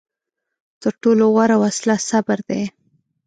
تر ټولو غوره وسله صبر دی.